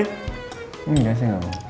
enggak sih enggak mau